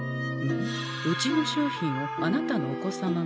うちの商品をあなたのお子様が？